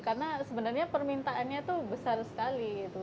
karena sebenarnya permintaannya tuh besar sekali gitu